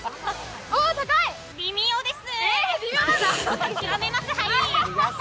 微妙です。